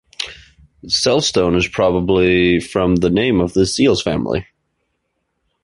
Zelstone is probably from the name of the Zeals family.